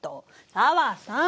紗和さん！